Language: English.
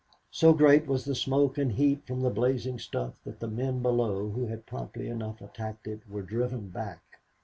So great was the smoke and heat from the blazing stuff that the men below, who had promptly enough attacked it, were driven back.